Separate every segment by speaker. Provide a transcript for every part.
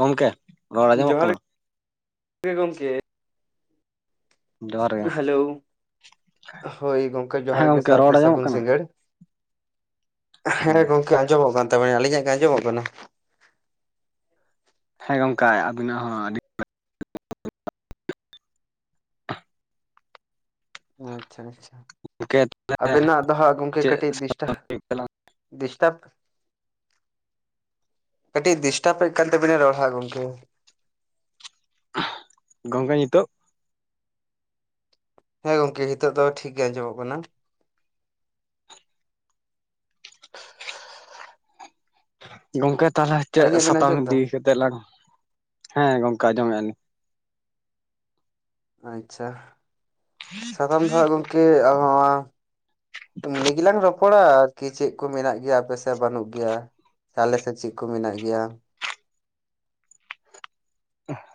Speaker 1: ᱜᱚᱝᱠᱮ᱾
Speaker 2: ᱡᱚᱦᱟᱨ ᱜᱮ ᱜᱚᱝᱠᱮ᱾
Speaker 1: ᱡᱚᱦᱟᱨ ᱜᱮ
Speaker 2: ᱦᱮᱞᱳᱣ, ᱦᱳᱭ ᱜᱚᱝᱠᱮ
Speaker 1: ᱦᱮᱸ
Speaker 2: ᱡᱚᱦᱟᱨ ᱜᱮ
Speaker 1: ᱜᱚᱢᱠᱮ ᱨᱚᱲ
Speaker 2: ᱥᱟᱣᱛᱮ
Speaker 1: ᱟᱸᱡᱚᱢᱚᱜ
Speaker 2: ᱥᱟᱹᱜᱩᱱ
Speaker 1: ᱠᱟᱱᱟ
Speaker 2: ᱥᱤᱸᱜᱟᱹᱲ᱾ ᱦᱮᱸ ᱜᱚᱝᱠᱮ ᱟᱸᱡᱚᱢᱚᱜ ᱠᱟᱱ ᱛᱟᱵᱮᱱᱟ, ᱟᱹᱞᱤᱧᱟᱜ ᱜᱮ ᱟᱸᱡᱚᱢᱚᱜ ᱠᱟᱱᱟ?
Speaker 1: ᱦᱮᱸ ᱜᱚᱝᱠᱮ ᱟᱵᱤᱱᱟᱜ ᱦᱚᱸ ᱟᱹᱰᱤ
Speaker 2: ᱚ ᱟᱪᱪᱷᱟ ᱟᱪᱪᱷᱟ᱾
Speaker 1: ᱜᱚᱢᱠᱮ
Speaker 2: ᱟᱵᱮᱱᱟᱜ ᱫᱚ ᱦᱟᱸᱜ ᱜᱚᱝᱠᱮ
Speaker 1: ᱪᱮᱫ
Speaker 2: ᱠᱟᱹᱴᱤᱡ ᱰᱤᱥᱴᱟ ᱰᱤᱥᱴᱟᱯ᱾ ᱠᱟᱹᱴᱤᱡ ᱰᱤᱥᱴᱟᱯᱮᱜ ᱠᱟᱱ ᱛᱟᱵᱤᱱᱟ ᱨᱚᱲ ᱦᱸᱟᱜ ᱜᱚᱝᱠᱮ᱾
Speaker 1: ᱜᱚᱢᱠᱮ ᱱᱤᱛᱳᱜ?
Speaker 2: ᱦᱮᱸ ᱜᱚᱝᱠᱮ ᱱᱤᱛᱚᱜ ᱫᱚ ᱴᱷᱤᱠ ᱜᱮ ᱟᱸᱡᱚᱢᱚᱜ ᱠᱟᱱᱟ᱾
Speaker 1: ᱜᱚᱝᱠᱮ ᱛᱟᱦᱚᱞᱮ ᱪᱮᱫ
Speaker 2: ᱟᱹᱞᱤᱧᱟᱜ ᱵᱮᱱ
Speaker 1: ᱥᱟᱛᱟᱢ
Speaker 2: ᱟᱸᱡᱚᱢ ᱮᱫᱟ
Speaker 1: ᱤᱫᱤ ᱠᱟᱛᱮᱫ ᱞᱟᱝ ᱦᱮᱸ ᱜᱚᱝᱠᱮ ᱟᱸᱡᱚᱢᱮ ᱟᱡᱚᱢ
Speaker 2: ᱟᱪᱪᱷᱟ ᱥᱟᱛᱟᱢ ᱫᱚ ᱦᱟᱸᱜ ᱜᱚᱝᱠᱮ ᱟᱸ ᱮᱢᱱᱤ ᱜᱮᱞᱟᱝ ᱨᱚᱯᱚᱲᱟ ᱟᱨᱠᱤ ᱪᱮᱫ ᱠᱚ ᱢᱮᱱᱟᱜ ᱜᱮᱭᱟ ᱟᱯᱮ ᱥᱮ ᱵᱟᱹᱱᱩᱜ ᱜᱮᱭᱟ᱾ ᱟᱞᱮᱥᱮᱫ ᱪᱮᱫ ᱠᱚ ᱢᱮᱱᱟᱜ ᱜᱮᱭᱟ?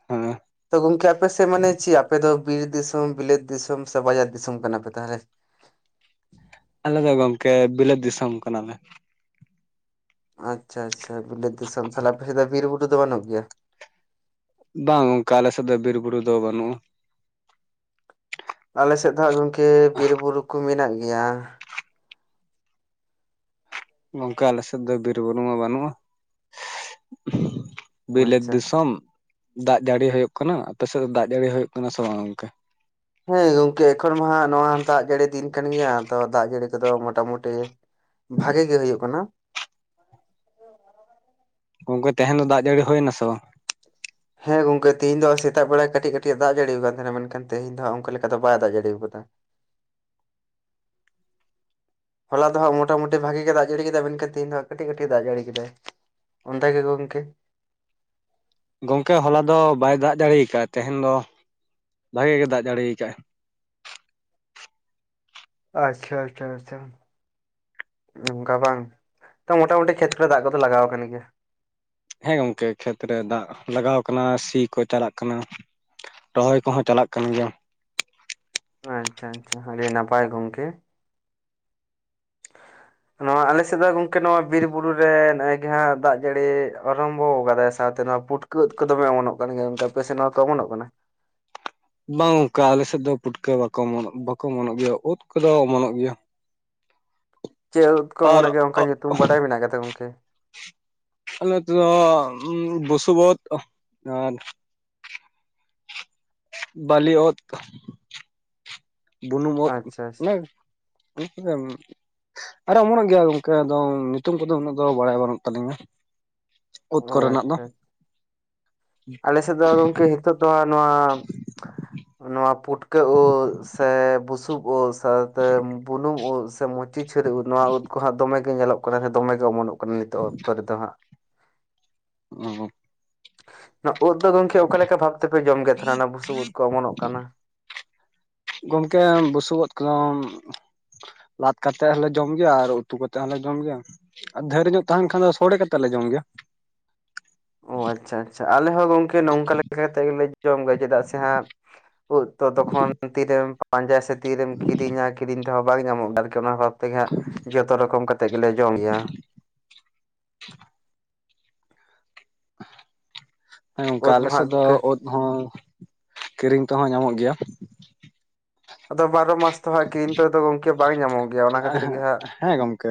Speaker 1: ᱦᱩᱸ
Speaker 2: ᱜᱚᱝᱠᱮ ᱟᱯᱮᱥᱮᱫ ᱢᱟᱱᱮ ᱪᱮᱫ ᱟᱯᱮ ᱵᱤᱨ ᱫᱤᱥᱚᱢ ᱵᱤᱞᱟᱹᱛ ᱫᱤᱥᱚᱢ ᱥᱮ ᱵᱟᱡᱟᱨ ᱫᱤᱥᱚᱢ ᱠᱟᱱᱟ ᱯᱮ ᱛᱟᱦᱚᱞᱮ?
Speaker 1: ᱟᱞᱮ ᱫᱚ ᱜᱚᱝᱠᱮ ᱵᱤᱞᱟᱹᱛ ᱫᱤᱥᱚᱢ ᱠᱟᱱᱟᱞᱮ ᱾
Speaker 2: ᱟᱪᱪᱷᱟ ᱟᱪᱪᱷᱟ ᱵᱤᱞᱟᱹᱛ ᱫᱤᱥᱚᱢ ᱥᱟᱞᱟᱜ ᱟᱯᱮ ᱥᱮᱫ ᱫᱚ ᱵᱤᱨ ᱵᱩᱨᱩ ᱫᱚ ᱵᱟᱹᱱᱩᱜ ᱜᱮᱭᱟ?
Speaker 1: ᱵᱟᱝ ᱜᱚᱝᱠᱮ ᱟᱞᱮᱥᱮᱫ ᱫᱚ ᱵᱤᱨ ᱵᱩᱨᱩ ᱫᱚ ᱵᱟᱹᱱᱩᱜᱼᱟ ᱾
Speaker 2: ᱟᱞᱮ ᱥᱮᱫ ᱫᱚ ᱦᱟᱸᱜ ᱜᱚᱝᱠᱮ ᱵᱤᱨ ᱵᱩᱨᱩ ᱠᱚ ᱢᱮᱱᱟᱜ ᱜᱮᱭᱟ ᱾
Speaker 1: ᱜᱚᱝᱠᱮ ᱟᱞᱮ ᱥᱮᱫ ᱫᱚ ᱵᱤᱨ ᱵᱩᱨᱩ ᱢᱟ ᱵᱟᱹᱱᱩᱜᱼᱟ᱾ ᱵᱤᱞᱟᱹᱛ
Speaker 2: ᱟᱪᱪᱷᱟ
Speaker 1: ᱫᱤᱥᱚᱢ ᱫᱟᱜ ᱡᱟᱹᱲᱤ ᱦᱩᱭᱩᱜ ᱠᱟᱱᱟ ᱟᱯᱮ ᱥᱮᱫ ᱫᱚ ᱫᱟᱜ ᱡᱟᱹᱲᱤ ᱦᱩᱭᱩᱜ ᱠᱟᱱᱟ ᱥᱮ ᱵᱟᱝ ᱜᱚᱝᱠᱮ?
Speaker 2: ᱦᱮᱸ ᱜᱚᱢᱠᱮ ᱮᱠᱷᱚᱱ ᱢᱟ ᱱᱚᱣᱟ ᱫᱟᱜ ᱡᱟᱹᱲᱤ ᱫᱤᱱ ᱠᱟᱱ ᱜᱮᱭᱟ ᱫᱟᱜ ᱡᱟᱹᱲᱤ ᱠᱚᱫᱚ ᱢᱚᱴᱟᱢᱩᱴᱤ ᱵᱷᱟᱜᱮ ᱜᱮ ᱨᱟᱹᱭᱩᱜ ᱠᱟᱱᱟ᱾
Speaker 1: ᱜᱚᱝᱠᱮ ᱛᱮᱦᱮᱱ ᱫᱚ ᱫᱟᱜ ᱡᱟᱹᱲᱤ ᱦᱩᱭ ᱱᱟᱥᱮ ᱵᱟᱝ?
Speaker 2: ᱦᱮᱸ ᱜᱚᱝᱠᱮ ᱛᱮᱦᱤᱧ ᱫᱚ ᱥᱮᱛᱟᱜ ᱵᱮᱲᱟ ᱠᱟᱹᱴᱤᱡ ᱠᱟᱹᱴᱤᱡ ᱮ ᱫᱟᱜ ᱡᱟᱹᱲᱤᱭᱟ ᱠᱟᱫ ᱛᱟᱦᱮᱱᱟ ᱢᱮᱱᱠᱷᱟᱱ ᱛᱮᱦᱤᱧ ᱫᱚ ᱚᱱᱠᱟ ᱞᱮᱠᱟ ᱫᱚ ᱵᱟᱭ ᱫᱟᱜ ᱡᱟᱹᱲᱤᱣ ᱠᱟᱫᱟ᱾ ᱦᱚᱞᱟ ᱫᱚ ᱦᱸᱟᱜ ᱢᱚᱴᱟᱢᱩᱴᱤ ᱵᱷᱟᱜᱤ ᱜᱮ ᱫᱟᱜ ᱡᱟᱹᱲᱤ ᱠᱮᱫᱟ ᱢᱮᱱᱠᱷᱟᱱ ᱛᱮᱦᱤᱧ ᱫᱚ ᱠᱟᱹᱴᱤᱡ ᱠᱟᱹᱴᱤᱡ ᱫᱟᱜ ᱡᱟᱹᱲᱤ ᱠᱮᱫᱟᱭ ᱾ ᱚᱱᱛᱮ ᱜᱮ ᱜᱚᱝᱠᱮ᱾
Speaker 1: ᱜᱚᱝᱠᱮ ᱦᱚᱞᱟ ᱫᱚ ᱵᱟᱭ ᱫᱟᱜ ᱡᱟᱹᱲᱤ ᱟᱠᱟᱫᱼᱟᱭ ᱛᱮᱦᱮᱧ ᱫᱚ ᱵᱷᱟᱜᱮ ᱜᱮ ᱫᱟᱜ ᱡᱟᱹᱲᱤ ᱠᱟᱜᱟᱭ
Speaker 2: ᱟᱪᱪᱷᱟᱼᱟᱪᱪᱷᱟ ᱼᱟᱪᱪᱷᱟ ᱾ ᱚᱱᱠᱟ ᱵᱟᱝ ᱛᱚ ᱢᱚᱴᱟ ᱢᱩᱴᱤ ᱠᱷᱮᱛ ᱠᱚᱨᱮ ᱫᱟᱜ ᱠᱚᱫᱚ ᱞᱟᱜᱟᱣ ᱠᱟᱱ ᱜᱮᱭᱟ?
Speaker 1: ᱦᱮᱸ ᱜᱚᱝᱠᱮ ᱠᱷᱮᱛ ᱨᱮ ᱫᱟᱜ ᱞᱟᱜᱟᱣ ᱠᱟᱱᱟ ᱥᱤ ᱠᱚ ᱪᱟᱞᱟᱜ ᱠᱟᱱᱟ᱾ ᱨᱚᱦᱚᱭ ᱠᱚᱦᱚᱸ ᱪᱟᱞᱟᱜ ᱠᱟᱱ ᱜᱮᱭᱟ ᱾
Speaker 2: ᱟᱸᱪᱪᱷᱟ ᱟᱸᱪᱪᱷᱟ ᱟᱹᱰᱤ ᱱᱟᱯᱟᱭ ᱜᱚᱝᱠᱮ᱾
Speaker 1: [unintelligible]
Speaker 2: ᱱᱚᱣᱟ ᱟᱞᱮᱥᱮᱫ ᱫᱚ ᱜᱚᱝᱠᱮ ᱱᱚᱣᱟ ᱵᱤᱨ ᱵᱩᱨᱩ ᱨᱮ ᱱᱮᱜ ᱮ ᱜᱮ ᱦᱟᱸᱜ ᱫᱟᱜ ᱡᱟᱹᱲᱤ ᱟᱨᱚᱢᱵᱚ ᱟᱠᱟᱫᱟᱭ ᱥᱟᱶᱛᱮ ᱱᱚᱣᱟ ᱯᱩᱴ ᱠᱟᱹᱫ ᱠᱚ ᱫᱚᱢᱮ ᱚᱢᱚᱱᱚᱜ ᱠᱟᱱ ᱜᱮᱭᱟ ᱚᱱᱠᱟ ᱟᱯᱮᱥᱮ ᱱᱚᱣᱟ ᱠᱚ ᱚᱢᱚᱱᱚᱜ ᱠᱟᱱᱟ?
Speaker 1: ᱵᱟᱝ ᱚᱱᱠᱟ ᱟᱞᱮᱥᱮᱫ ᱫᱚ ᱯᱩᱴᱠᱟᱹ ᱵᱟᱠᱚ ᱵᱟᱠᱚ ᱚᱢᱚᱱᱚᱜ ᱜᱮᱭᱟ ᱳᱫ ᱠᱚᱫᱚ ᱚᱢᱚᱱᱚᱜ ᱜᱮᱭᱟ᱾ [unintelligible]
Speaker 2: ᱪᱮᱫ ᱳᱫ ᱠᱚ
Speaker 1: ᱟᱨ
Speaker 2: ᱚᱢᱚᱱᱚ ᱜᱮᱭᱟ ᱚᱱᱠᱟ ᱧᱩᱛᱩᱢ ᱵᱟᱰᱟᱭ ᱢᱮᱱᱟᱜ ᱠᱟᱫᱟ ᱜᱚᱝᱠᱮ?
Speaker 1: ᱟᱞᱮ ᱫᱚ ᱵᱚᱥᱩᱜ ᱳᱫ ᱟᱨ ᱵᱟᱞᱤ ᱳᱫ᱾ ᱵᱩᱱᱩᱢ ᱳᱫ
Speaker 2: ᱟᱪᱪᱷᱟ
Speaker 1: ᱟᱨᱮ ᱚᱢᱚᱱᱚᱜ ᱜᱮᱭᱟ ᱜᱚᱝᱠᱮ ᱟᱫᱚ ᱧᱩᱛᱩᱢ ᱠᱚᱫᱚ ᱩᱱᱟᱹᱜ ᱫᱚ ᱵᱟᱲᱟᱭ ᱵᱟᱹᱱᱩᱜ ᱛᱟᱹᱞᱤᱧᱟ᱾ ᱳᱫ
Speaker 2: ᱚ
Speaker 1: ᱠᱚᱨᱮᱱᱟᱜ ᱫᱚ
Speaker 2: ᱟᱪᱪᱷᱟ ᱟᱞᱮ ᱥᱮᱫ ᱫᱚ ᱜᱚᱝᱠᱮ ᱱᱤᱛᱚᱜ ᱫᱚ ᱦᱟᱸᱜ ᱱᱚᱣᱟ᱾
Speaker 1: [unintelligible]
Speaker 2: ᱱᱚᱣᱟ ᱯᱩᱴᱠᱟᱹ ᱳᱫ ᱥᱮ ᱵᱩᱥᱩᱵ ᱳᱫ ᱥᱟᱶᱛᱮ ᱵᱩᱱᱩᱢ ᱳᱫ ᱥᱮ ᱢᱚ ᱪᱤᱪᱷᱟᱹᱨᱩ ᱱᱚᱣᱟ ᱩᱫ ᱠᱚ ᱦᱟᱸᱜ ᱫᱚᱢᱮ ᱜᱮ ᱧᱮᱞᱚᱜ ᱠᱟᱱᱟ ᱥᱮ ᱫᱚᱢᱮ ᱚᱢᱚᱱᱚᱜ ᱠᱟᱱᱟ ᱱᱤᱛᱚᱜ ᱚᱠᱛᱚ ᱨᱮᱫᱚ ᱦᱟᱸᱜ
Speaker 1: ᱚᱸ
Speaker 2: ᱚᱱᱟ ᱳᱫ ᱫᱚ ᱜᱚᱝᱠᱮ ᱚᱠᱟ ᱞᱮᱠᱟ ᱵᱷᱟᱵ ᱛᱮᱯᱮ ᱡᱚᱢ ᱜᱮ ᱛᱟᱦᱮᱱᱟ ᱚᱱᱟ ᱵᱩᱥᱩᱵ ᱩᱫ ᱠᱚ ᱚᱢᱚᱱᱚᱜ ᱠᱟᱱᱟ᱾
Speaker 1: ᱜᱚᱝᱠᱮ ᱵᱩᱥᱩᱵ ᱳᱫ ᱠᱚᱨᱚᱢ ᱞᱟᱫ ᱠᱟᱛᱮᱜ ᱦᱚᱞᱮ ᱡᱚᱢ ᱜᱮᱭᱟ ᱟᱨ ᱩᱛᱩ ᱠᱟᱛᱮ ᱦᱚᱞᱮ ᱡᱚᱢ ᱜᱮᱭᱟ᱾ ᱟᱨ ᱫᱷᱟᱹᱨ ᱧᱚᱜ ᱛᱟᱦᱮᱱ ᱠᱷᱟᱱ ᱫᱚ ᱥᱚᱲᱮ ᱠᱟᱛᱮ ᱞᱮ ᱡᱚᱢ ᱜᱮᱭᱟ᱾
Speaker 2: ᱚ ᱟᱪᱷᱟ ᱟᱪᱷᱟ ᱟᱞᱮ ᱦᱚᱸ ᱜᱚᱝᱠᱮ ᱱᱚᱝᱠᱟ ᱞᱮᱠᱟ ᱠᱟᱛᱮ ᱜᱮᱞᱮ ᱡᱚᱢ ᱜᱮᱭᱟ ᱪᱮᱫᱟᱜ ᱥᱮ ᱦᱟᱸᱜ ᱩᱠᱩᱨ ᱛᱚ ᱛᱚᱠᱷᱚᱱ ᱛᱤᱨᱮᱢ ᱯᱟᱸᱡᱟᱭᱟ ᱥᱮ ᱛᱤᱨᱮᱢ ᱠᱤᱨᱤᱧᱟ ᱠᱤᱨᱤᱧ ᱛᱮᱦᱚᱸ ᱵᱟᱝ ᱧᱟᱢᱚᱜ ᱠᱟᱱᱟ ᱟᱨᱠᱤ ᱚᱱᱟ ᱦᱚᱸ ᱛᱮᱜᱮ ᱦᱟᱸᱜ ᱡᱚᱛᱚ ᱨᱚᱠᱚᱢ ᱠᱟᱛᱮ ᱜᱮᱞᱮ ᱡᱚᱢ ᱜᱮᱭᱟ᱾
Speaker 1: [unintelligible] ᱦᱮᱸ ᱜᱚᱝᱠᱮ
Speaker 2: ᱩᱫ ᱢᱟ
Speaker 1: ᱟᱞᱮ ᱥᱮᱫ
Speaker 2: ᱦᱟᱸᱜ
Speaker 1: ᱫᱚ
Speaker 2: ᱜᱚᱝᱠᱮ
Speaker 1: ᱳᱫ ᱦᱚᱸ ᱠᱤᱨᱤᱧ ᱛᱮᱦᱚᱸ ᱧᱟᱢᱚᱜ ᱜᱮᱭᱟ
Speaker 2: ᱟᱫᱚ ᱵᱟᱨᱚ ᱢᱟᱥ ᱛᱚ ᱦᱟᱸᱜ ᱠᱤᱨᱤᱧ ᱛᱮᱫᱚ ᱜᱚᱢᱠᱮ ᱵᱟᱝ ᱧᱟᱢᱚᱜ ᱜᱮᱭᱟ ᱚᱱᱟ ᱠᱷᱟᱹᱛᱤᱨ ᱜᱮ ᱦᱟᱸᱜ
Speaker 1: ᱦᱮᱸ ᱜᱚᱢᱠᱮ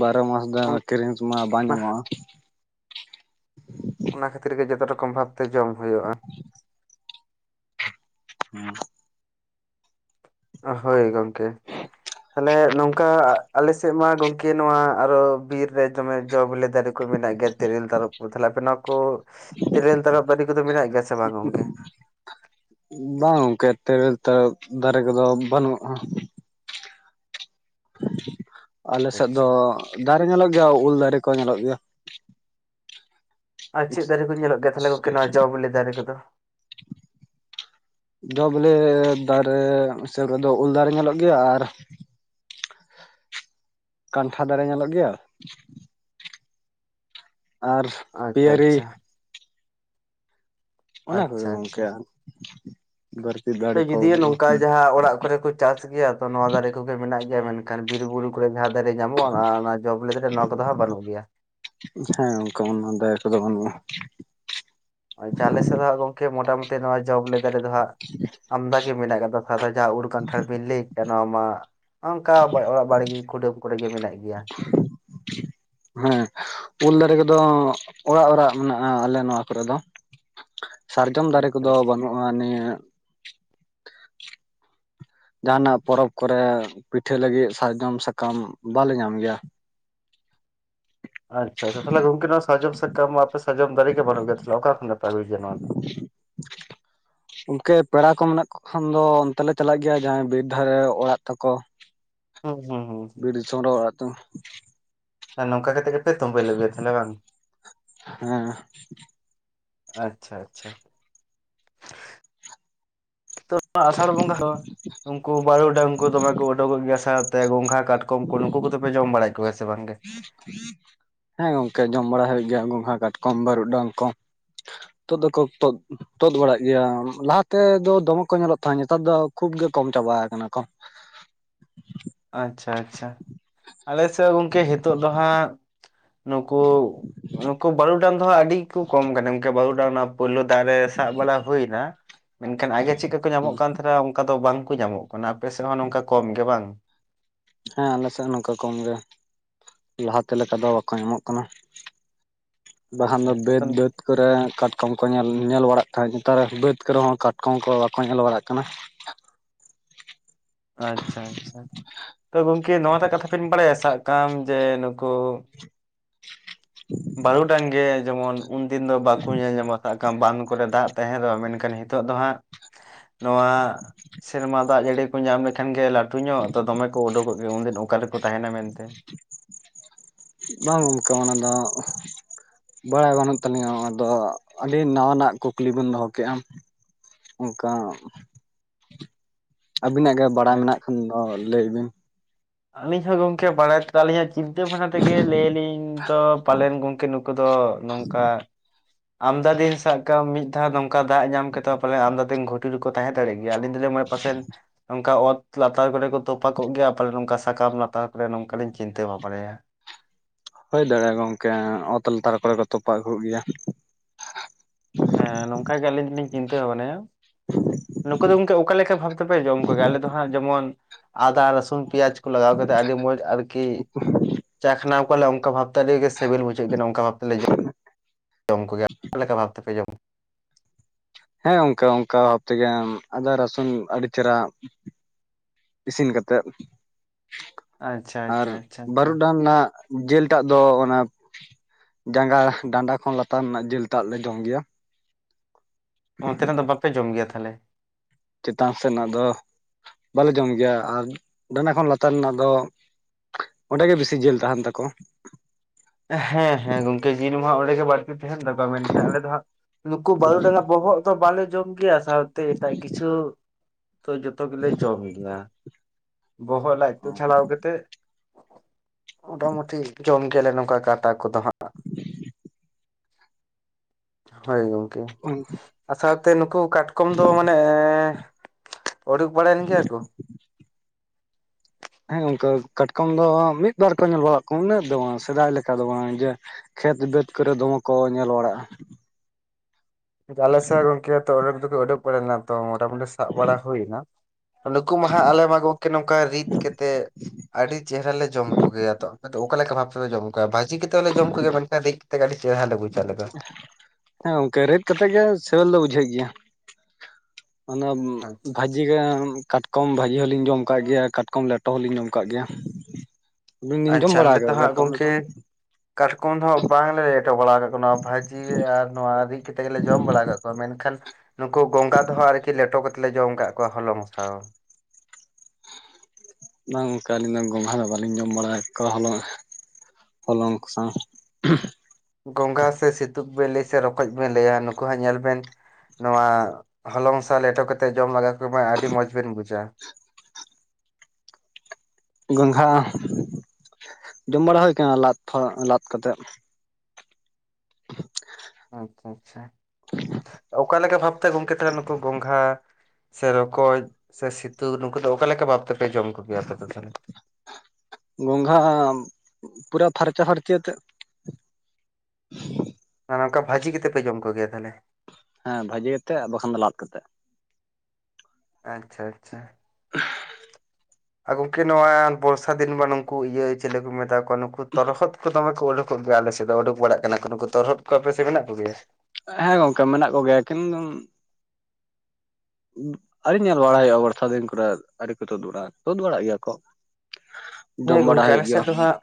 Speaker 1: ᱵᱟᱨᱚ ᱢᱟᱥ ᱫᱚ ᱠᱤᱨᱤᱧ ᱥᱩᱢᱟ ᱵᱟᱝ ᱧᱟᱢᱚᱜᱼᱟ
Speaker 2: ᱚᱱᱟ ᱠᱷᱟᱹᱛᱤᱨ ᱜᱮ ᱡᱚᱛᱚ ᱠᱚᱢ ᱵᱷᱟᱵᱽ ᱛᱮ ᱡᱚᱢ ᱦᱩᱭᱩᱜᱼᱟ
Speaker 1: ᱦᱩᱸ
Speaker 2: ᱳᱦᱳᱭ ᱜᱚᱝᱠᱮ ᱛᱟᱦᱚᱞᱮ ᱱᱚᱝᱠᱟ ᱟᱞᱮ ᱥᱮᱫ ᱢᱟ ᱜᱚᱝᱠᱮ ᱱᱚᱣᱟ ᱟᱨᱚ ᱵᱤᱨ ᱨᱮ ᱫᱚᱢᱮ ᱡᱚ ᱵᱤᱞᱤ ᱫᱟᱨᱮ ᱠᱚ ᱢᱮᱱᱟᱜ ᱜᱮᱭᱟ ᱛᱮᱨᱤᱞ ᱛᱟᱨᱚᱯ ᱛᱷᱟᱞᱮ ᱟᱯᱮᱱᱟᱶᱟ ᱠᱚ ᱛᱮᱨᱮᱞ ᱛᱟᱨᱚᱯ ᱫᱟᱨᱮ ᱠᱚᱫᱚ ᱢᱮᱱᱟᱜ ᱜᱮᱭᱟ ᱥᱮ ᱵᱟᱝ ᱜᱚᱝᱠᱮ
Speaker 1: [inaudible] ᱵᱟᱝ ᱜᱚᱝᱠᱮ ᱛᱮᱨᱮᱞ ᱛᱟᱨᱚᱵ ᱫᱟᱨᱮ ᱠᱚᱫᱚ ᱵᱟᱹᱱᱩᱜᱼᱟ ᱟᱞᱮ ᱥᱮᱫ
Speaker 2: ᱟᱪᱪᱷᱟ
Speaker 1: ᱫᱚ ᱫᱟᱨᱮ ᱧᱮᱞᱚᱜ ᱜᱮᱭᱟ ᱩᱞ ᱫᱟᱨᱮ ᱠᱚ ᱧᱮᱞᱚᱜ ᱜᱮᱭᱟ
Speaker 2: ᱟᱨ ᱪᱮᱜ ᱫᱟᱨᱮ ᱠᱚ ᱧᱮᱞᱚᱜ ᱜᱮᱭᱟ ᱛᱟᱦᱮ ᱜᱚᱝᱠᱮ ᱱᱚᱣᱟ ᱡᱚ ᱵᱤᱞᱤ ᱫᱟᱨᱮ ᱠᱚᱫᱚ
Speaker 1: ᱡᱚ ᱵᱮᱞᱮ ᱫᱟᱨᱮ ᱥᱮᱨ ᱨᱮᱫᱚ ᱩᱞ ᱫᱟᱨᱮ ᱧᱮᱞᱚᱜ ᱜᱮᱭᱟ ᱟᱨ ᱠᱟᱱᱴᱷᱟᱲ ᱫᱟᱨᱮ ᱧᱮᱞᱚᱜ ᱜᱮᱭᱟ ᱟᱨ
Speaker 2: ᱟᱪᱪᱷᱟ
Speaker 1: ᱯᱤᱭᱟᱹᱨᱤ
Speaker 2: ᱟᱪᱪᱷᱟ
Speaker 1: ᱚᱱᱟ ᱠᱚᱜᱮ
Speaker 2: ᱟᱪᱪᱷᱟ ᱟᱪᱪᱷᱟ
Speaker 1: ᱜᱚᱝᱠᱮ ᱵᱟᱹᱲᱛᱤ ᱫᱚ
Speaker 2: ᱛᱚ ᱡᱩᱫᱤᱭᱳ ᱱᱚᱝᱠᱟ ᱡᱟᱦᱟᱸ ᱚᱲᱟᱜ ᱠᱚᱨᱮ ᱠᱚ ᱪᱟᱥ ᱜᱮᱭᱟ ᱛᱚ ᱱᱚᱣᱟ ᱫᱟᱨᱮ ᱠᱚᱜᱮ ᱢᱮᱱᱟᱜ ᱜᱮᱭᱟ ᱢᱮᱱᱠᱷᱟᱱ ᱵᱤᱨ ᱵᱩᱨᱩ ᱠᱚᱨᱮ ᱡᱟᱦᱟᱸ ᱫᱟᱨᱮ ᱧᱟᱢᱚᱜᱼᱟ ᱟᱸ ᱚᱱᱟ ᱡᱚ ᱵᱮᱞᱮ ᱨᱮᱨᱮ ᱱᱚᱣᱟ ᱠᱚᱫᱚ ᱦᱟᱸᱜ ᱵᱟᱹᱱᱩᱜ ᱜᱮᱭᱟ
Speaker 1: ᱦᱮᱸᱜᱚᱝᱠᱮ ᱚᱱᱟ ᱫᱟᱭᱟ ᱠᱚᱫᱚ ᱵᱟᱹᱱᱩᱜᱼᱟ᱾
Speaker 2: ᱟᱪᱷᱟ ᱟᱞᱮᱥᱮᱫ ᱫᱚ ᱦᱟᱸᱜ ᱜᱚᱢᱠᱮ ᱢᱚᱴᱟᱢᱩᱴᱤ ᱱᱚᱣᱟ ᱡᱚ ᱵᱮᱞᱮ ᱫᱟᱨᱮ ᱫᱚ ᱦᱟᱸᱜ ᱟᱢᱫᱟ ᱜᱮ ᱢᱮᱱᱟᱜ ᱟᱠᱟᱫᱟ ᱥᱟᱫᱟ ᱡᱟᱦᱟᱸ ᱩᱨ ᱠᱟᱱᱴᱷᱟᱲ ᱵᱮᱠᱤ ᱱᱚᱣᱟ ᱢᱟ ᱚᱝᱠᱟ ᱵᱚᱭ ᱚᱲᱟᱜ ᱵᱟᱲᱜᱤ ᱠᱩᱰᱟᱹᱢ ᱠᱚᱨᱮ ᱜᱮ ᱢᱮᱱᱟᱜ ᱜᱮᱭᱟ
Speaker 1: ᱦᱮᱸ ᱩᱞ ᱫᱟᱨᱮ ᱠᱚᱫᱚ ᱚᱲᱟᱜ ᱚᱲᱟᱜ ᱢᱮᱱᱟᱜᱼᱟ ᱟᱞᱮ ᱱᱚᱣᱟ ᱠᱚᱨᱮ ᱫᱚ ᱥᱟᱨᱡᱚᱢ ᱫᱟᱨᱮ
Speaker 2: ᱟᱪᱪᱷᱟ
Speaker 1: ᱠᱚᱫᱚ
Speaker 2: ᱟᱪᱪᱷᱟ
Speaker 1: ᱵᱟᱹᱱᱩᱜᱼᱟ ᱱᱤᱭᱟᱹ ᱡᱟᱦᱟᱱᱟᱜ ᱯᱚᱨᱚᱵᱽ ᱠᱚᱨᱮ ᱯᱤᱴᱷᱟᱹ ᱞᱟᱹᱜᱤᱫ ᱥᱟᱨᱡᱚᱢ ᱥᱟᱠᱟᱢ ᱵᱟᱞᱮ ᱧᱟᱢ ᱜᱮᱭᱟ
Speaker 2: ᱟᱪᱪᱷᱟ ᱟᱪᱪ ᱛᱟᱦᱚᱞᱮ ᱜᱚᱝᱠᱮ ᱱᱚᱣᱟ ᱥᱟᱨᱡᱚᱢ ᱥᱟᱠᱟᱢ ᱟᱯᱮ ᱥᱟᱨᱡᱚᱢ ᱫᱟᱨᱮ ᱵᱟᱱᱩᱜ ᱜᱮᱭᱟ ᱛᱟᱦᱟᱞᱮ ᱚᱠᱟ ᱠᱷᱚᱱ ᱜᱮᱯᱮ ᱟᱹᱩᱭ ᱜᱮᱭᱟ ᱱᱚᱣᱟ ᱫᱚ
Speaker 1: ᱜᱚᱢᱠᱮ ᱯᱮᱲᱟ ᱠᱚ ᱢᱮᱱᱟᱜ ᱠᱚᱣᱟ ᱠᱷᱟᱱ ᱫᱚ ᱚᱱᱛᱮ ᱞᱮ ᱪᱟᱞᱟᱜ ᱜᱮᱭᱟ ᱡᱟᱦᱟᱸᱭ ᱵᱤᱨ ᱫᱷᱟᱨᱮ ᱚᱲᱟᱜ ᱛᱟᱠᱚ
Speaker 2: ᱩᱸ ᱦᱩᱸ ᱦᱩᱸ
Speaker 1: [unintelligible]
Speaker 2: ᱟᱨ ᱱᱚᱝᱠᱟ ᱠᱟᱛᱮ ᱜᱮᱯᱮ ᱛᱩᱵᱟᱹᱞ ᱟᱜᱩᱭ ᱛᱟᱦᱮᱱᱟ ᱵᱟᱝ
Speaker 1: ᱦᱮᱸ
Speaker 2: ᱟᱪ ᱪᱷᱟ ᱟᱪᱪᱷᱟ ᱛᱚ ᱟᱥᱟᱲ ᱵᱚᱸᱜᱟ ᱦᱚᱸ ᱩᱱᱠᱩ ᱵᱟᱨᱩᱰᱟᱝ ᱠᱚ ᱫᱚᱢᱮ ᱠᱚ ᱩᱰᱩᱠᱚᱜ ᱜᱮᱭᱟ ᱥᱟᱛ ᱛᱮ ᱜᱚᱝᱜᱷᱟ ᱠᱟᱴᱠᱚᱢ ᱠᱚ ᱱᱩᱠᱩ ᱠᱚᱫᱚᱯᱮ ᱡᱚᱢ ᱵᱟᱲᱟᱭᱮᱫ ᱠᱚᱣᱟ ᱥᱮ ᱵᱟᱝᱜᱮ
Speaker 1: ᱦᱮᱸ ᱜᱚᱝᱠᱮ ᱡᱚᱢ ᱵᱟᱲᱟ ᱦᱩᱭᱩᱜ ᱜᱮᱭᱟ ᱜᱚᱝᱜᱷᱟ ᱠᱟᱴᱠᱚᱢ ᱵᱟᱹᱨᱩᱰᱟᱝ ᱠᱚ ᱛᱳᱫ ᱫᱚᱠᱚ ᱛᱳᱜ ᱛᱳᱫ ᱵᱟᱲᱟᱜ ᱜᱮᱭᱟ ᱞᱟᱦᱟ ᱛᱮ ᱫᱚ ᱫᱚᱢᱮ ᱠᱚ ᱧᱮᱞᱚᱜ ᱛᱟᱦᱮᱸ ᱱᱮᱛᱟᱨ ᱫᱚ ᱠᱷᱩᱵ ᱜᱮ ᱠᱚᱢ ᱪᱟᱵᱟ ᱠᱟᱱᱟ ᱠᱚ
Speaker 2: ᱟᱪᱪᱷᱟ ᱟᱪᱪᱷᱟ ᱟᱞᱮ ᱥᱮᱫ ᱜᱚᱝᱠᱮ ᱦᱤᱛᱳᱜ ᱫᱚ ᱦᱟᱸᱜ ᱱᱩᱠᱩ ᱱᱩᱠᱩ ᱵᱟᱨᱩᱰᱟᱝ ᱫᱚ ᱦᱟᱜ ᱟᱹᱰᱤ ᱠᱚ ᱠᱚᱢ ᱠᱟᱱᱟ ᱜᱚᱝᱠᱮ ᱵᱟᱨᱩᱰᱟᱝ ᱱᱟᱯ ᱯᱩᱭᱞᱳ ᱫᱟᱜ ᱨᱮ ᱥᱟᱵ ᱵᱟᱲᱟ ᱦᱩᱭ ᱱᱟ ᱢᱮᱱᱠᱷᱟᱱ ᱟᱜᱮ ᱪᱮᱫᱠᱟ ᱠᱚ ᱧᱟᱢᱚᱜ ᱠᱟᱱ ᱛᱟᱦᱮᱱᱟ ᱚᱱᱠᱟ ᱫᱚ ᱵᱟᱝ ᱠᱚ ᱧᱟᱢᱚᱜ ᱠᱟᱱᱟ ᱟᱯᱮ ᱥᱮᱫ ᱦᱚᱸ ᱱᱚᱝᱠᱟ ᱠᱚᱢ ᱜᱮ ᱵᱟᱝ
Speaker 1: ᱦᱮᱸ ᱟᱞᱮ ᱥᱮᱫ ᱱᱚᱝᱠᱟ ᱠᱚᱢ ᱜᱮ ᱞᱟᱦᱟᱛᱮ ᱞᱮᱠᱟ ᱫᱚ ᱵᱟᱠᱚ ᱧᱟᱢᱚᱜ ᱠᱟᱱᱟ ᱵᱟᱠᱷᱟᱱ
Speaker 2: ᱟᱪᱪᱷᱟ
Speaker 1: ᱫᱚ
Speaker 2: ᱟᱪᱪᱷᱟ
Speaker 1: ᱵᱮᱫᱽ
Speaker 2: ᱛᱚ
Speaker 1: ᱫᱟᱹᱫ ᱠᱚᱨᱮ ᱠᱟᱴᱠᱚᱢ ᱠᱚ ᱧᱮᱞ ᱧᱮᱞ ᱵᱟᱲᱟᱜ ᱛᱟᱦᱮᱸᱫ ᱱᱮᱛᱟᱨ ᱵᱟᱹᱫᱽ ᱠᱚᱨᱮ ᱦᱚᱸ ᱠᱟᱴᱠᱚᱢ ᱠᱚ ᱵᱟᱠᱚ ᱧᱮᱞ ᱵᱟᱲᱟᱜ ᱠᱟᱱᱟ
Speaker 2: ᱳ ᱟᱪᱪᱷᱟ ᱟᱪᱪᱷᱟ ᱛᱚ ᱜᱚᱝᱠᱮ ᱱᱚᱣᱟᱴᱟᱜ ᱠᱟᱛᱷᱟ ᱵᱤᱱ ᱵᱟᱲᱟᱭᱟ ᱥᱟᱵ ᱠᱟᱜᱟᱢ ᱡᱮ ᱱᱩᱠᱩ ᱵᱟᱨᱩᱰᱟᱝ ᱜᱮ ᱡᱮᱢᱚᱱ ᱩᱱᱫᱤᱱ ᱫᱚ ᱵᱟᱠᱚ ᱧᱮ ᱧᱟᱢᱚᱜᱼᱟ ᱥᱟᱵᱠᱟᱜ ᱟᱢ ᱵᱟᱸᱫᱷ ᱠᱚᱨᱮ ᱫᱟᱜ ᱛᱟᱦᱮᱸ ᱫᱚᱜᱼᱟ ᱢᱮᱱᱠᱷᱟᱱ ᱦᱤᱛᱚᱜ ᱫᱚ ᱦᱟᱸᱜ ᱱᱚᱣᱟ ᱥᱮᱨᱢᱟ ᱫᱟᱜ ᱡᱟᱹᱲᱤ ᱧᱟᱢ ᱞᱮᱠᱷᱟᱱ ᱜᱮ ᱞᱟᱹᱴᱩ ᱧᱚᱜ ᱛᱚ ᱫᱚᱢᱮ ᱠᱚ ᱩᱰᱩᱠᱚᱜ ᱜᱮᱭᱟ ᱩᱱᱫᱤᱱ ᱚᱠᱟ ᱨᱮᱠᱚ ᱛᱟᱦᱮᱱᱟ ᱢᱮᱱᱛᱮ
Speaker 1: ᱵᱟᱝ ᱜᱚᱢᱠᱮ ᱚᱱᱟ ᱫᱚ ᱾ ᱵᱟᱲᱟᱭ ᱵᱟᱹᱱᱩᱜ ᱛᱟᱹᱞᱤᱧᱟᱹ ᱟᱫᱚ, ᱟᱹᱰᱤ ᱱᱟᱣᱟᱱᱟᱜ ᱠᱩᱠᱞᱤ ᱵᱚᱱ ᱫᱚᱦᱚ ᱠᱮᱫᱼᱟ? ᱚᱱᱠᱟ, ᱟᱵᱤᱱᱟᱜ ᱜᱮ ᱵᱟᱲᱟᱭ
Speaker 2: ᱟᱨ
Speaker 1: ᱢᱮᱱᱟᱜ ᱠᱷᱟᱱ ᱫᱚ ᱞᱟᱹᱭ ᱵᱤᱱ?
Speaker 2: ᱟᱹᱞᱤᱧ ᱦᱚᱸ ᱜᱚᱢᱠᱮ ᱵᱟᱲᱟᱭ ᱨᱮᱭᱟᱜ ᱞᱤᱧ ᱪᱤᱱ ᱪᱤᱱᱛᱟ- ᱵᱷᱟᱵᱱᱟ ᱛᱮᱜᱮ ᱞᱟᱹᱭᱞᱤᱧ ᱛᱚ ᱯᱟᱞᱮᱱ ᱜᱚᱢᱠᱮ ᱱᱩᱠᱩ ᱫᱚ ᱱᱚᱝᱠᱟ ᱟᱢᱫᱟ ᱫᱤᱱ ᱥᱟᱵ ᱠᱟᱜ ᱢᱮ ᱢᱤᱫ ᱫᱷᱟᱣ ᱫᱚᱢ ᱚᱱᱠᱟ ᱫᱟᱜ ᱧᱟᱢ ᱠᱟᱛᱮᱫ ᱯᱟᱞᱮᱱ ᱟᱢᱫᱟ ᱫᱤᱱ ᱜᱷᱩᱴᱤ ᱨᱮᱠᱚ ᱛᱟᱦᱮᱸ ᱫᱟᱲᱮᱭᱟᱜ ᱜᱮᱭᱟ᱾ ᱟᱞᱤᱧ ᱫᱚᱞᱤᱧ ᱢᱚᱬᱮ ᱯᱟᱥᱮᱱ ᱚᱱᱠᱟ ᱚᱛ ᱞᱟᱛᱟᱨ ᱠᱚᱨᱮ ᱠᱚ ᱛᱚᱯᱟᱜ ᱠᱚᱜ ᱜᱮᱭᱟ᱾ ᱯᱟᱞᱮ ᱱᱚᱝᱠᱟ ᱥᱟᱠᱟᱢ ᱞᱟᱛᱟᱨ ᱠᱚᱨᱮ ᱱᱚᱝᱠᱟᱞᱤᱧ ᱪᱤᱱᱛᱟᱹ ᱵᱷᱟᱵᱲᱟᱭᱟ᱾
Speaker 1: ᱦᱩᱭᱳᱭ ᱫᱟᱲᱮᱭᱟᱜᱼᱟ ᱜᱚᱢᱠᱮ! ᱚᱛ ᱞᱟᱛᱟᱨ ᱠᱚᱨᱮ ᱠᱚ ᱛᱚᱯᱟᱜ ᱠᱚ ᱠᱚ ᱜᱮᱭᱟ᱾
Speaker 2: ᱦᱮᱸ ᱱᱚᱝᱠᱟ ᱜᱮ ᱟᱹᱞᱤᱧ ᱫᱚᱞᱤᱧ ᱪᱤᱱᱛᱟᱹ ᱵᱷᱟᱵᱱᱟᱭᱟ᱾ ᱱᱩᱠᱩ ᱫᱚ ᱜᱚᱝᱠᱮ ᱚᱠᱟ ᱞᱮᱠᱟ ᱵᱷᱟᱵ ᱛᱮᱯᱮ ᱡᱚᱢ ᱠᱚ ᱜᱮᱭᱟ? ᱟᱞᱮ ᱫᱚ ᱦᱟᱜ ᱡᱮᱢᱚᱱ ᱟᱫᱟ, ᱨᱟᱥᱩᱱ ᱨᱟᱥᱩᱱ, ᱯᱮᱭᱟᱡ ᱠᱚ ᱞᱟᱜᱟᱣ ᱠᱟᱛᱮ ᱟᱹᱰᱤ ᱢᱚᱸᱡᱽ ᱟᱨᱠᱤ ᱪᱟᱠᱷᱟᱱᱟ ᱠᱚᱣᱟ ᱞᱮ ᱚᱱᱠᱟ ᱵᱷᱟᱵ ᱟᱹᱰᱤ ᱜᱮ ᱥᱤᱵᱤᱞ ᱵᱩᱡᱷᱟᱹᱜ ᱠᱟᱱᱟ᱾ ᱚᱱᱠᱟ ᱵᱷᱟᱵ ᱛᱮᱞᱮ ᱡᱚᱢ ᱡᱚᱢ ᱠᱚᱜᱮᱭᱼᱟ᱾ ᱞᱮᱠᱟ ᱵᱷᱟᱵ ᱛᱮᱯᱮ ᱡᱚᱢ ᱠᱚᱣᱟ?
Speaker 1: ᱦᱮᱸ ᱚᱱᱠᱟ ᱚᱱᱠᱟ ᱵᱷᱟᱵ ᱛᱮᱜᱮ ᱟᱫᱟ ᱨᱟᱥᱩᱱ ᱟᱹᱰᱤ ᱪᱮᱦᱨᱟ ᱤᱥᱤᱱ ᱠᱟᱛᱮ
Speaker 2: ᱟᱪᱪᱷᱟ
Speaker 1: ᱟᱨ
Speaker 2: ᱟᱪᱪᱷᱟ ᱟᱪᱪᱷᱟ ᱟᱪᱪᱷᱟ
Speaker 1: ᱵᱟᱹᱨᱩᱰᱟᱝ ᱱᱟᱜ ᱡᱤᱞ ᱴᱟᱜ ᱫᱚ, ᱚᱱᱟ ᱡᱟᱸᱜᱟ ᱰᱟᱸᱰᱟ ᱠᱷᱚᱱ ᱞᱟᱛᱟᱨ ᱨᱮᱱᱟᱜ ᱡᱤᱞ ᱴᱟᱜ ᱞᱮ ᱡᱚᱢ ᱜᱮᱭᱟ᱾
Speaker 2: ᱚᱱᱛᱮ ᱨᱮ ᱫᱚ ᱵᱟᱯᱮ ᱡᱚᱢ ᱜᱮᱭᱟ ᱛᱟᱦᱞᱮ?
Speaker 1: ᱪᱮᱛᱟᱱ ᱥᱮᱫ ᱱᱟᱜ ᱫᱚ ᱵᱟᱞᱮ ᱡᱚᱢ ᱜᱮᱭᱟ ᱟᱨ ᱰᱟᱸᱰᱟ ᱠᱷᱚᱱ ᱞᱟᱛᱟᱨ ᱨᱮᱱᱟᱜ ᱫᱚ᱾ ᱚᱸᱰᱮ ᱜᱮ ᱵᱮᱥᱤ ᱡᱤᱹᱞ ᱛᱟᱦᱮᱱ ᱛᱟᱠᱚᱼᱟ᱾
Speaker 2: ᱦᱮᱸ ᱦᱮᱸ ᱜᱚᱢᱠᱮ ᱡᱤᱞ ᱢᱟ ᱦᱟᱜ ᱚᱸᱰᱮ ᱜᱮ ᱵᱟᱹᱲᱛᱤ ᱛᱟᱦᱮᱱ ᱛᱟᱠᱚᱣᱟ, ᱢᱮᱱᱠᱷᱟᱱ ᱚᱸᱰᱮ ᱫᱚ ᱦᱟᱸᱜ ᱱᱩᱠᱩ ᱵᱟᱨᱩᱰᱟᱝ ᱵᱚᱦᱚᱜ ᱛᱚ ᱵᱟᱞᱮ ᱡᱚᱢ ᱜᱮᱭᱟ᱾ ᱥᱟᱶᱛᱮ ᱮᱴᱟᱜ ᱠᱤᱪᱷᱩ ᱛᱚ, ᱡᱚᱛᱚ ᱜᱮᱞᱮ ᱡᱚᱢ ᱜᱮᱭᱟ᱾ ᱵᱚᱦᱚᱜ ᱞᱟᱡ ᱛᱮᱫ ᱪᱷᱟᱲᱟᱣ ᱠᱟᱛᱮᱫ ᱢᱳᱴᱟᱢᱩᱴᱤ ᱡᱚᱢ ᱜᱮᱭᱟᱞᱮ ᱱᱚᱝᱠᱟ ᱠᱟᱴᱟ ᱠᱚᱫᱚ ᱦᱟᱸᱜ᱾ ᱦᱳᱭ ᱜᱚᱢᱠᱮ!
Speaker 1: ᱩᱱᱠᱩ
Speaker 2: ᱟᱨ ᱥᱟᱶᱛᱮ ᱱᱩᱠᱩ ᱠᱟᱴᱠᱚᱢ ᱫᱚ ᱢᱟᱱᱮ ᱩᱰᱩᱠ ᱵᱟᱲᱟᱭᱮᱱ ᱜᱮᱭᱟ ᱠᱚ?
Speaker 1: ᱦᱮᱸ ᱜᱚᱢᱠᱮ, ᱠᱟᱴᱠᱚᱢ ᱫᱚ ᱢᱤᱫ-ᱵᱟᱨ ᱠᱚ ᱧᱮᱞ ᱵᱟᱲᱟᱜ ᱠᱚ, ᱩᱱᱟᱹᱜ ᱫᱚ ᱵᱟᱝ᱾ ᱥᱮᱫᱟᱭ ᱞᱮᱠᱟ ᱫᱚ ᱵᱟᱝ ᱡᱮ ᱠᱷᱮᱛ ᱵᱟᱹᱫᱽ ᱠᱚᱨᱮ ᱫᱚᱢᱮ ᱠᱚ ᱧᱮᱞ ᱵᱟᱲᱟᱜᱼᱟ᱾
Speaker 2: ᱟᱞᱮ ᱥᱮᱫ ᱦᱚ ᱜᱚᱢᱠᱮ ᱛᱚ, ᱚᱰᱩᱠ ᱫᱚᱠᱚ ᱩᱰᱩᱠ ᱵᱟᱲᱟ ᱞᱮᱱᱟ ᱛᱚ᱾ ᱢᱚᱴᱟᱢᱩᱴᱤ ᱥᱟᱵ ᱵᱟᱲᱟ ᱦᱩᱭ ᱮᱱᱟ᱾ ᱱᱩᱠᱩ ᱢᱟ ᱦᱟᱸᱜ ᱟᱞᱮ ᱢᱟ ᱜᱚᱢᱠᱮ ᱱᱚᱝᱠᱟ ᱨᱤᱫ ᱠᱟᱛᱮᱫ ᱟᱹᱰᱤ ᱪᱮᱦᱨᱟ ᱞᱮ ᱡᱚᱢ ᱠᱚᱜ ᱜᱮᱭᱟ ᱛᱚ᱾ ᱟᱯᱮ ᱫᱚ ᱚᱠᱟ ᱞᱮᱠᱟ ᱵᱷᱟᱵ ᱛᱮᱯᱮ ᱡᱚᱢ ᱠᱚᱭᱟ? ᱵᱷᱟᱹᱡᱤ ᱠᱟᱛᱮᱫ ᱦᱚᱸᱞᱮ ᱡᱚᱢ ᱠᱚᱜᱮ᱾ ᱢᱮᱱᱠᱷᱟᱱ ᱨᱤ ᱛᱮ ᱜᱟᱹᱰᱤ ᱪᱮᱦᱨᱟ ᱞᱮ ᱵᱩᱡᱟᱹᱣᱟ, ᱟᱞᱮ ᱫᱚ᱾
Speaker 1: ᱦᱮᱸ ᱜᱚᱢᱠᱮ ᱨᱤᱫ ᱠᱟᱛᱮᱜ ᱜᱮ ᱥᱮᱵᱮᱞ ᱫᱚ ᱵᱩᱡᱷᱟᱹᱜ ᱜᱮᱭᱟ᱾ ᱢᱟᱱᱮ
Speaker 2: ᱟᱪᱪᱷᱟ
Speaker 1: ᱵᱷᱟᱹᱡᱤ
Speaker 2: ᱟᱪᱪᱷᱟ᱾
Speaker 1: ᱜᱮ ᱠᱟᱴᱠᱚᱢ ᱠᱟᱴᱠᱚᱢ ᱵᱷᱟᱹᱡᱤ ᱦᱚ ᱞᱤᱧ ᱡᱚᱢ ᱠᱟᱜ ᱜᱮᱭᱟ᱾ ᱠᱟᱴᱠᱚᱢ ᱞᱮᱴᱚ ᱦᱚᱞᱤᱧ ᱡᱚᱢ ᱠᱟᱜ ᱜᱮᱭᱟ᱾ ᱟᱵᱤᱱ ᱵᱤᱱ ᱡᱚᱢ
Speaker 2: ᱟᱪᱪᱷᱟ
Speaker 1: ᱵᱟᱲᱟ
Speaker 2: ᱟᱞᱮ ᱫᱚ
Speaker 1: ᱠᱟᱜᱮᱭᱟ,
Speaker 2: ᱦᱟᱸᱜ
Speaker 1: ᱠᱟᱴᱠᱚᱢ ᱞᱮᱴᱚ?
Speaker 2: ᱜᱚᱝᱠᱮ ᱠᱟᱴᱠᱚᱢ ᱫᱚ ᱦᱟᱸᱜ ᱵᱟᱝ ᱞᱮ [unintelligible] ᱵᱟᱲᱟ ᱠᱟᱜ ᱠᱚ ᱱᱚᱣᱟ ᱵᱷᱟᱹᱡᱤ ᱟᱨ ᱱᱚᱣᱟ ᱨᱤᱫᱽ ᱠᱟᱛᱮ ᱜᱮᱞᱮ ᱡᱚᱢ ᱵᱟᱲᱟ ᱠᱟᱜ ᱠᱚᱣᱟ᱾ ᱢᱮᱱᱠᱷᱟᱱ ᱱᱩᱠᱩ ᱜᱚᱝᱜᱟ ᱫᱚ ᱦᱟᱸᱜ ᱟᱹᱨᱠᱤ ᱞᱮᱴᱚ ᱠᱟᱛᱮ ᱞᱮ ᱡᱚᱢ ᱠᱟᱫ ᱠᱚᱣᱟ ᱦᱚᱞᱚᱝ ᱥᱟᱶ᱾
Speaker 1: ᱵᱟᱝ ᱚᱱᱠᱟ ᱟᱹᱞᱤᱧ ᱫᱚ ᱜᱚᱸᱜᱷᱟ ᱫᱚ ᱵᱟᱹᱞᱤᱧ ᱡᱚᱢ ᱵᱟᱲᱟᱭᱟ ᱠᱟ ᱦᱚᱞᱚ ᱦᱚᱞᱚᱝ ᱠᱚ ᱥᱟᱶ ᱾
Speaker 2: ᱜᱚᱸᱝᱜᱷᱟ ᱥᱮ ᱥᱤᱛᱩᱜ ᱵᱮᱞᱮ ᱥᱮ ᱨᱚᱠᱚᱡ ᱵᱮᱱ ᱞᱟᱹᱭᱟ᱾ ᱱᱩᱠᱩ ᱦᱟᱸᱜ ᱧᱮᱞ ᱵᱮᱱ ᱱᱚᱣᱟ ᱦᱚᱞᱚᱝ ᱥᱟ ᱞᱮᱴᱚ ᱠᱟᱛᱮᱫ ᱡᱚᱢ ᱞᱟᱜᱟ ᱠᱚᱢᱟ᱾ ᱟᱹᱰᱤ ᱢᱚᱸᱡᱽ ᱵᱮᱱ ᱵᱩᱡᱟᱹᱣᱟ᱾
Speaker 1: ᱜᱚᱸᱝᱜᱷᱟ ᱡᱚᱢ ᱵᱟᱲᱟ ᱦᱩᱭ ᱠᱟᱱᱟ, ᱞᱟᱫ ᱞᱟᱫ ᱠᱟᱛᱮᱜ᱾ [unintelligible]
Speaker 2: ᱟᱪᱪᱷᱟ ᱟᱪᱪᱷᱟ ᱚᱠᱟ ᱞᱮᱠᱟ ᱵᱷᱟᱵ ᱛᱮ ᱜᱚᱢᱠᱮ ᱛᱟᱦᱮᱱᱟ, ᱱᱩᱠᱩ ᱜᱚᱸᱝᱜᱷᱟ ᱥᱮ ᱨᱚᱠᱚᱡ ᱥᱮ ᱥᱤᱛᱩ ᱱᱩᱠᱩ ᱫᱚ ᱚᱠᱟ ᱞᱮᱠᱟ ᱵᱷᱟᱵ ᱛᱮᱯᱮ ᱡᱚᱢ ᱠᱚᱜᱮᱭᱟ? ᱟᱯᱮ ᱫᱚ ᱛᱟᱦᱞᱮ᱾
Speaker 1: ᱜᱚᱸᱜᱷᱟ ᱟᱢ ᱯᱩᱨᱟᱹ ᱯᱷᱟᱨᱪᱟ ᱯᱷᱟᱨᱪᱤ ᱟᱛᱮᱫ
Speaker 2: ᱢᱟᱱᱮ ᱚᱱᱠᱟ ᱵᱷᱟᱹᱡᱤ ᱠᱟᱛᱮ ᱯᱮ ᱡᱚᱢ ᱠᱚᱜᱮᱭᱟ ᱛᱟᱦᱚᱞᱮ
Speaker 1: ᱦᱮᱸ ᱵᱷᱟᱹᱡᱤ ᱠᱟᱛᱮᱜ ᱵᱟᱠᱷᱟᱱ ᱫᱚ ᱞᱟᱫ ᱠᱟᱛᱮᱜ
Speaker 2: ᱟᱪᱪᱷᱟ ᱟᱪᱪᱷᱟ
Speaker 1: [inaudible]
Speaker 2: ᱟᱨ ᱜᱚᱝᱠᱮ ᱱᱚᱣᱟ ᱵᱚᱨᱥᱟ ᱫᱤᱱ ᱵᱟ ᱱᱩᱝᱠᱩ ᱤᱭᱟᱹ ᱪᱮᱞᱮ ᱠᱚ ᱢᱮᱛᱟ ᱠᱚ ᱠᱳ ᱱᱩᱠᱩ ᱛᱚᱨᱦᱚᱫ ᱠᱳ ᱫᱚᱢᱮ ᱠᱚ ᱩᱰᱩᱠᱚᱜ ᱜᱮᱭᱟ ᱟᱞᱮ ᱥᱮᱫ ᱫᱚ ᱩᱰᱩᱠ ᱵᱟᱲᱟᱜ ᱠᱟᱱᱟ ᱠᱚ, ᱱᱩᱠᱩ ᱛᱚᱨᱦᱚᱫ ᱠᱚ ᱟᱯᱮ ᱥᱮᱫ ᱢᱮᱱᱟᱜ ᱠᱚ ᱜᱮᱭᱟ?
Speaker 1: ᱦᱮᱸ ᱜᱚᱝᱠᱮ ᱢᱮᱱᱟᱜ ᱠᱚ ᱜᱮᱭᱟ ᱠᱤᱱ ᱟᱹᱣᱨᱤ ᱧᱮᱞ ᱵᱟᱲᱟᱭ ᱦᱩᱭᱩᱜᱼᱟ ᱵᱚᱨᱥᱟ ᱫᱤᱱ ᱠᱚᱨᱮ ᱟᱹᱨᱤ ᱠᱚ ᱛᱩᱫ ᱵᱟᱲᱟᱜ-ᱟ ᱛᱩᱫ ᱵᱟᱲᱟᱜ ᱜᱮᱭᱟ ᱠᱚ [unintelligible]
Speaker 2: ᱦᱮᱸ ᱜᱚᱢᱠᱮ
Speaker 1: ᱦᱩᱭᱩᱜ
Speaker 2: ᱟᱞᱮ
Speaker 1: ᱜᱮᱭᱟ
Speaker 2: ᱥᱮᱫ ᱫᱚ ᱦᱟᱸᱜ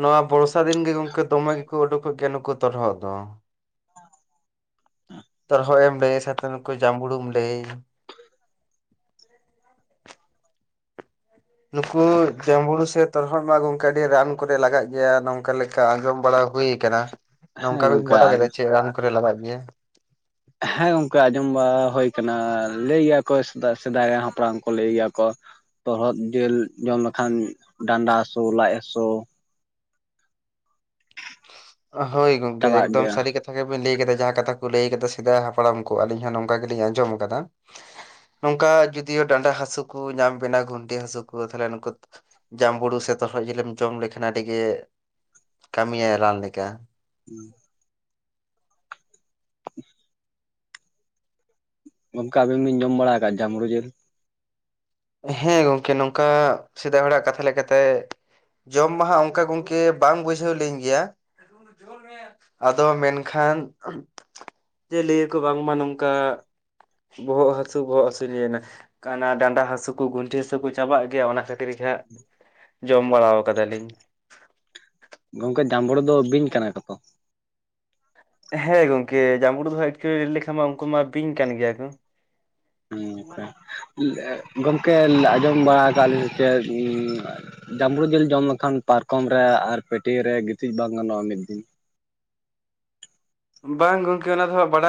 Speaker 2: ᱱᱚᱣᱟ ᱵᱚᱨᱥᱟ ᱫᱤᱱ ᱜᱚᱢᱠᱮ ᱫᱚᱢᱮ ᱜᱮᱠᱚ ᱩᱰᱩᱠᱚᱜ ᱜᱮᱭᱟ ᱱᱩᱠᱩ ᱛᱚᱨᱦᱚᱫ ᱫᱚ ᱛᱚᱨᱦᱚᱫ ᱮᱢ ᱞᱟᱹᱭᱟᱹ ᱥᱟᱛᱮ ᱱᱩᱠᱩ ᱡᱟᱸᱢᱵᱩᱲᱩᱢ ᱞᱟᱹᱭᱮ ᱟ ᱱᱩᱠᱩ ᱡᱟᱸᱵᱩᱲᱩ ᱥᱮ ᱛᱚᱨᱦᱚᱫ ᱢᱟ ᱜᱚᱝᱠᱮ ᱟᱹᱰᱤ ᱨᱟᱱ ᱠᱚᱨᱮ ᱞᱟᱜᱟᱜ ᱜᱮᱭᱟ ᱱᱚᱝᱠᱟ ᱞᱮᱠᱟ ᱟᱸᱡᱚᱢ ᱵᱟᱲᱟ ᱦᱩᱭ ᱠᱟᱱᱟ
Speaker 1: ᱦᱮᱸ
Speaker 2: ᱱᱚᱝᱠᱟ ᱵᱤᱱ
Speaker 1: ᱜᱚᱝᱠᱮ
Speaker 2: ᱵᱟᱰᱟᱭ ᱟᱠᱟᱫᱟ ᱪᱮᱫ ᱨᱟᱱ ᱠᱚᱨᱮ ᱞᱟᱜᱟᱜ ᱜᱮᱭᱟ?
Speaker 1: ᱦᱮᱸ ᱜᱚᱝᱠᱮ ᱟᱸᱡᱚᱢ ᱵᱟ ᱦᱩᱭ ᱠᱟᱱᱟ ᱞᱟᱹᱭ ᱜᱮᱭᱟᱠᱚ ᱥᱮᱫᱟ ᱥᱮᱫᱟᱭ ᱨᱮᱱ ᱦᱟᱯᱲᱟᱢ ᱠᱚ ᱞᱟᱹᱭ ᱜᱮᱭᱟᱠᱚ ᱛᱚᱨᱦᱚᱫ ᱡᱮᱞ ᱡᱚᱢ ᱞᱮᱠᱷᱟᱱ ᱰᱟᱸᱰᱟ ᱦᱟᱹᱥᱳ ᱞᱟᱡ ᱦᱟᱥᱳ
Speaker 2: ᱦᱚᱭ ᱜᱚᱝᱠᱮ
Speaker 1: ᱪᱟᱵᱟᱜ
Speaker 2: ᱮᱫᱚᱢ
Speaker 1: ᱜᱮᱭᱟ
Speaker 2: ᱥᱟᱹᱨᱤ ᱠᱟᱛ ᱜᱮ ᱵᱮᱱ ᱞᱟᱹᱭ ᱟᱠᱟᱫᱟ ᱡᱟᱦᱟᱸ ᱠᱟᱛᱷᱟ ᱠᱚ ᱞᱟᱹᱭ ᱟᱠᱟᱫᱟ ᱥᱮᱫᱟᱭ ᱦᱟᱯᱲᱟᱢ ᱠᱚ ᱟᱞᱤᱧ ᱦᱚᱸ ᱱᱚᱝᱠᱟ ᱜᱮᱞᱤᱧ ᱟᱸᱡᱚᱢ ᱟᱠᱟᱫᱟ ᱱᱚᱝᱠᱟ ᱡᱩᱫᱤ ᱰᱟᱸᱰᱟ ᱦᱟᱹᱥᱩ ᱠᱚ ᱧᱟᱢ ᱵᱮᱱᱟ ᱜᱩᱱᱴᱤ ᱦᱟᱹᱥᱩ ᱠᱚ ᱛᱟᱦᱞᱮ ᱱᱩᱠᱩ ᱡᱟᱸᱵᱩᱲᱩ ᱥᱮ ᱛᱚᱨᱦᱚᱫ ᱡᱤᱞᱮᱢ ᱡᱚᱢ ᱞᱮᱠᱷᱟᱱ ᱟᱹᱰᱤ ᱜᱮ ᱠᱟᱹᱢᱤᱭᱟᱭ ᱨᱟᱱ ᱞᱮᱠᱟ
Speaker 1: ᱦᱩᱸ [inaudible] ᱜᱚᱢᱠᱮ ᱟᱵᱤᱱ ᱵᱤᱱ ᱡᱚᱢ ᱵᱟᱲᱟ ᱟᱠᱟᱜ-ᱟ ᱡᱟᱸᱢᱲᱩ ᱡᱮᱞ?
Speaker 2: ᱦᱮᱸ ᱜᱚᱢᱠᱮ ᱱᱚᱝᱠᱟ ᱥᱮᱫᱟᱭ ᱦᱚᱲᱟᱜ ᱠᱟᱛᱷᱟ ᱞᱮᱠᱟᱛᱮ ᱡᱚᱢ ᱢᱟ ᱦᱟᱸᱜ ᱚᱱᱠᱟ ᱜᱚᱢᱠᱮ ᱵᱟᱝ ᱵᱩᱡᱷᱟᱹᱣ ᱞᱤᱧ ᱜᱮᱭᱟ [unintelligible] ᱟᱫᱚ ᱢᱮᱱᱠᱷᱟᱱ ᱡᱮ ᱞᱟᱹᱭᱟᱠᱚ ᱵᱟᱝᱢᱟ ᱱᱚᱝᱠᱟ ᱵᱚᱦᱚᱜ ᱦᱟᱹᱥᱩ ᱵᱚᱦᱚᱜ ᱦᱟᱹᱥᱩ ᱞᱤᱭᱟᱹᱱᱟ ᱠᱟᱱᱟ ᱰᱟᱸᱰᱟ ᱦᱟᱹᱥᱩ ᱠᱩ ᱜᱩᱱᱴᱷᱤ ᱦᱟᱹᱥᱩ ᱠᱚ ᱪᱟᱵᱟᱜ ᱜᱮᱭᱟ ᱚᱱᱟ ᱠᱷᱟᱹᱛᱤᱨ ᱜᱮ ᱦᱟᱸᱜ ᱡᱚᱢ ᱵᱟᱲᱟᱣ ᱟᱠᱟᱫᱟ ᱞᱤᱧ
Speaker 1: ᱜᱚᱝᱠᱮ ᱡᱟᱸᱵᱩᱲᱚ ᱫᱚ ᱵᱤᱧ ᱠᱟᱱᱟ ᱠᱚ ᱛᱚ?
Speaker 2: ᱦᱮᱸ ᱜᱚᱝᱠᱮ ᱡᱟᱢᱵᱩᱲᱩ ᱫᱚ ᱦᱟᱜ ᱮᱠᱪᱩᱞᱤ ᱞᱟᱹᱭ ᱞᱮᱠᱷᱟᱱ ᱢᱟ ᱩᱱᱠᱩ ᱢᱟ ᱵᱤᱝ ᱠᱟᱱ ᱜᱮᱭᱟ ᱠᱚ᱾
Speaker 1: ᱦᱮᱸᱚᱱᱠᱟ, ᱜᱚᱝᱠᱮ ᱟᱸᱡᱚᱢ ᱵᱟᱲᱟ ᱟᱠᱟᱜ ᱞᱤᱧ ᱪᱮᱫ ᱡᱟᱢᱲᱩ ᱡᱮᱞ ᱡᱚᱢ ᱞᱮᱠᱷᱟᱱ ᱯᱟᱨᱠᱚᱢ ᱨᱮ ᱟᱨ ᱯᱟᱹᱴᱭᱟᱹ ᱨᱮ ᱜᱤᱛᱤᱡ ᱵᱟᱝ ᱜᱟᱱᱚᱜᱼᱟ ᱢᱤᱫ ᱫᱤᱱ᱾
Speaker 2: ᱵᱟᱝ ᱜᱚᱝᱠᱮ ᱚᱱᱟ ᱫᱚ ᱦᱟᱜ ᱵᱟᱲᱟᱭ